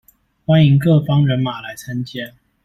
歡迎各方人馬來參加